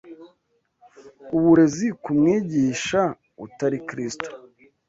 uburezi ku mwigisha utari Kristo